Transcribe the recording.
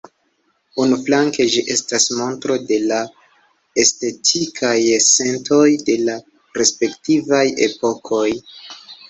Unuflanke ĝi estas montro de la estetikaj sentoj de la respektivaj epokoj.